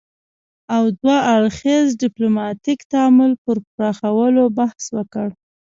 او دوه اړخیز ديپلوماتيک تعامل پر پراخولو بحث وکړ